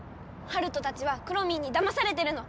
ハルトたちはくろミンにだまされてるの！